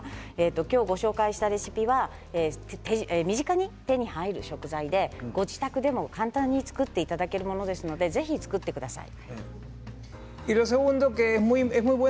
今日、ご紹介したレシピは身近に手に入る食材でご自宅でも簡単に作っていただけるものですのでぜひ作ってみてください。